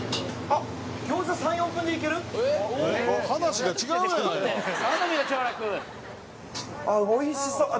あっおいしそう！